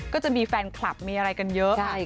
ก็จะมีแฟนคลับมีอะไรกันเยอะ